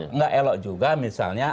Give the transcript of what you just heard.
tapi engga elok juga misalnya